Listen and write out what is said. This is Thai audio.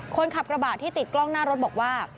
คนขับกระบะที่ติดกล้องหน้ารถบอกว่า